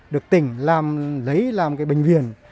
được tỉnh lấy làm cái bệnh viện